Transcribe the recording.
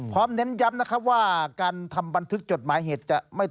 พร้อมเน้นย้ำว่าการทำบันทึกจดหมายเหตุ